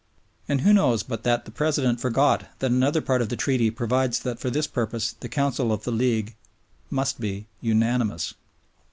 And who knows but that the President forgot that another part of the Treaty provides that for this purpose the Council of the League must be unanimous.